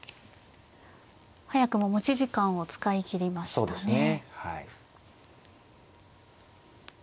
早くも持ち時間を使い切りましたね。